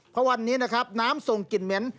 เพราะวันนี้นะครับน้ำส่งกลิ่นเหม็น